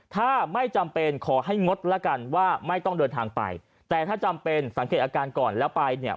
ถ้าไม่จำเป็นขอให้งดแล้วกันว่าไม่ต้องเดินทางไปแต่ถ้าจำเป็นสังเกตอาการก่อนแล้วไปเนี่ย